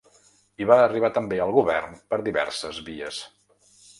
I va arribar també al govern per diverses vies.